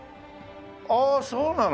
ああそうなの？